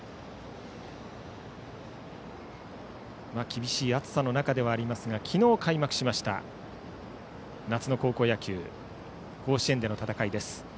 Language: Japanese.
厳しい暑さの中ではありますが昨日、開幕しました夏の高校野球甲子園での戦いです。